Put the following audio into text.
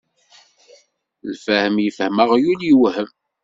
Lfahem ifhem aɣyul iwhem.